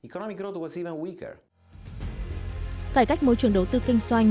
cải cách môi trường đầu tư kinh doanh